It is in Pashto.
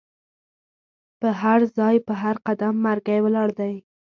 په هرځای په هر قدم مرګی ولاړ دی